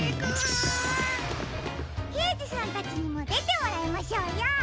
けいじさんたちにもでてもらいましょうよ。